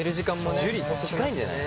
樹近いんじゃないの？